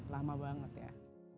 lama banget ya